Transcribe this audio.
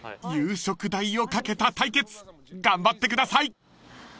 ［夕食代をかけた対決頑張ってください］